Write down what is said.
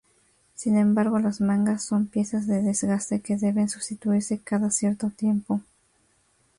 Sin embargo las mangas son piezas de desgaste que deben sustituirse cada cierto tiempo.